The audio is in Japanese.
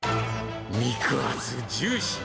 肉厚、ジューシー。